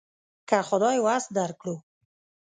که خدای وس درکړو.